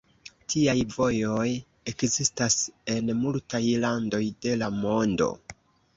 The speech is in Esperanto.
Tiaj vojoj ekzistas en multaj landoj de la mondo.